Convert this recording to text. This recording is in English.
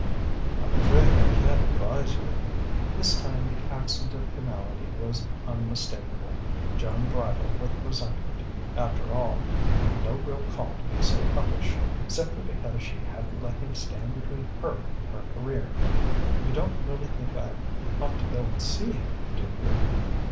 "I'm afraid I can't advise you." This time the accent of finality was unmistakable. Joan bridled with resentment. After all, he'd no real call to be so uppish, simply because she hadn't let him stand between her and her career.... "You don't really think I ought to go and see him, do you?"